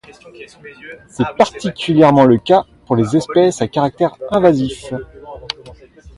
C’est particulièrement le cas pour les espèces à caractère invasif.